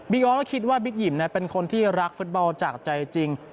ออสก็คิดว่าบิ๊กหิมเป็นคนที่รักฟุตบอลจากใจจริง